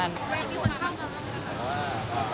แม่มีคนเข้ามาทำงานหรือเปล่า